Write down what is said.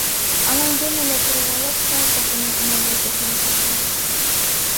Анан жөн эле туруп алып КСДПны күнөөлөй берген жакшы эмес.